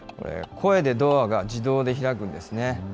声でドアが自動で開くんですね。